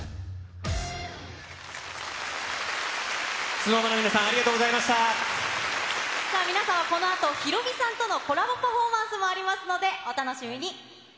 ＳｎｏｗＭａｎの皆さん、皆さんはこのあと、ヒロミさんとのコラボパフォーマンスもありますので、お楽しみに。